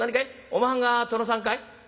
おまはんが殿さんかい？」。